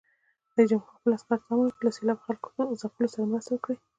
رئیس جمهور خپلو عسکرو ته امر وکړ؛ له سېلاب ځپلو سره مرسته وکړئ!